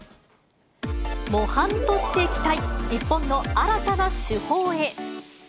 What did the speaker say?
模範として期待、日本の新たな主砲へ。